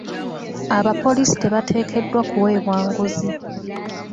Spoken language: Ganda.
Abapoliisi tebateekeddwa kuweebwa nguzi .